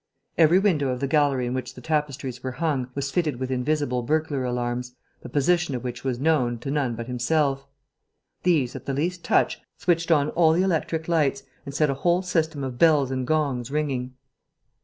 Every window of the gallery in which the tapestries were hung was fitted with invisible burglar alarms, the position of which was known, to none but himself. These, at the least touch, switched on all the electric lights and set a whole system of bells and gongs ringing.